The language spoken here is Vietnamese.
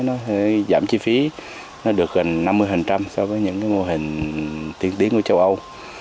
nó giảm chi phí nó được gần năm mươi so với những mô hình tiên tiến của châu âu